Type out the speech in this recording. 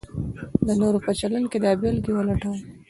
د نورو په چلند کې دا بېلګې ولټوئ: